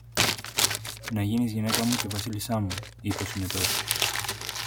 Να γίνεις γυναίκα μου και Βασίλισσά μου, είπε ο Συνετός.